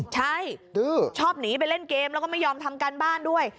ใช่ชอบหนีไปเล่นเกมแล้วก็ไม่ยอมทำการบ้านด้วย